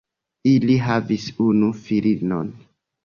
Ili havis unu filinon.